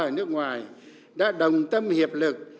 ở nước ngoài đã đồng tâm hiệp lực